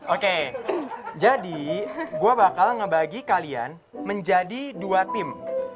oke jadi gue bakal ngebagi kalian menjadi dua tim